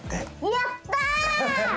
やった！